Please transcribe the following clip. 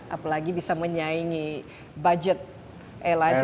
apalagi bisa menyaingi budget airline